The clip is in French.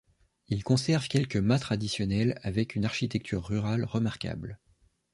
Ils conservent quelques mas traditionnels avec une architecture rurale remarquable.